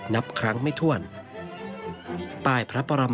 ในหลวงทั้งสองพระองค์ทั้งสองพระองค์